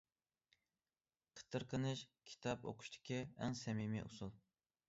قېتىرقىنىش كىتاب ئوقۇشتىكى ئەڭ سەمىمىي ئۇسۇل.